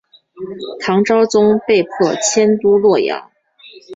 唐昭宗被迫迁都洛阳。